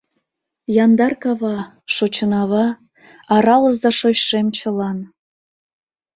Яндар кава, Шочынава, — аралыза шочшем чылан.